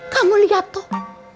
kamu lihat tuh